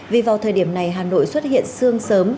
vì vào thời điểm này hà nội xuất hiện sương sớm